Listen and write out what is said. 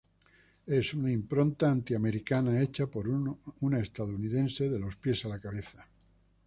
Es una impronta anti-americana hecha por una estadounidense de los pies a la cabeza.